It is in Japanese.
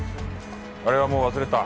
あれはもう忘れた。